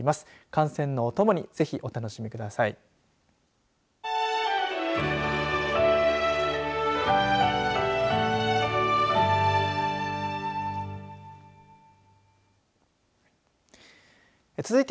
観戦のお供にぜひお楽しみください。